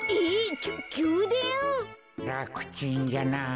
らくちんじゃなあ。